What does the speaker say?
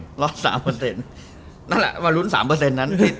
นั่นแหละว่าลุ้น๓นั้น